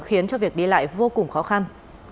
khiến cho việc đi lại vô cùng khó khăn